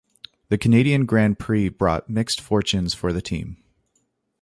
The Canadian Grand Prix brought mixed fortunes for the team.